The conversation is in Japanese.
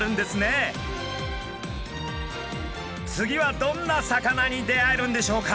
次はどんな魚に出会えるんでしょうか？